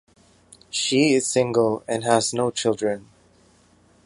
She is single and has no children.